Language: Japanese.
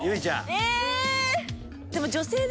え